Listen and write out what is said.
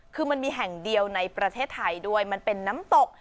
คือมันมีแห่งเดียวในประเทศไทยด้วยมันเป็นน้ำตก